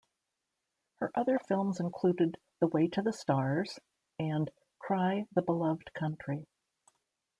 Her other films included "The Way to the Stars" and "Cry the Beloved Country".